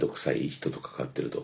人と関わってると。